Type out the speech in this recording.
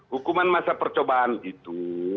hukuman masa percobaan itu